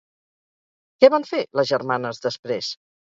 Què van fer les germanes després?